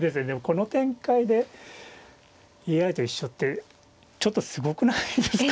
この展開でＡＩと一緒ってちょっとすごくないですかね。